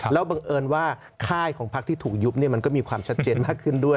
แล้วบังเอิญว่าค่ายของพักที่ถูกยุบมันก็มีความชัดเจนมากขึ้นด้วย